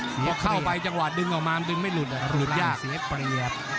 เพราะเข้าไปจังหวัดดึงออกมาดึงไม่หลุดหลุดยาก